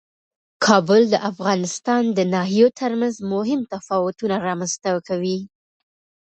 کابل د افغانستان د ناحیو ترمنځ مهم تفاوتونه رامنځ ته کوي.